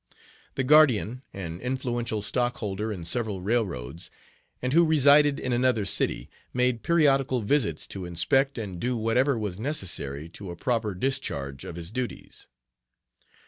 The guardian, an influential stockholder in several railroads, and who resided in another city, made periodical visits to inspect and do whatever was necessary to a proper discharge of his duties.